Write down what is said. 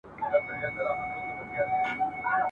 تر ډیره وخته پوري پر ځای پاته وو